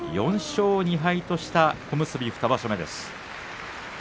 ４勝２敗とした小結２場所目です。